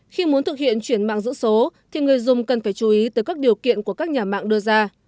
khi muốn thực hiện chuyển mạng giữ số thì người dùng cần phải chú ý tới các điều kiện của các nhà mạng đưa ra